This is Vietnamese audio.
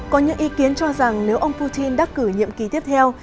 có những ý kiến cho rằng nếu ông putin đắc cử nhiệm kỳ tiếp theo